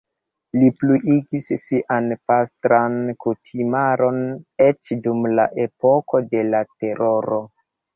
Li pluigis sian pastran kutimaron eĉ dum la epoko de la Teroro.